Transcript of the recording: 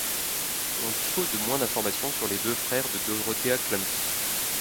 On dispose de moins d'informations sur les deux frères de Dorothea Klumpke.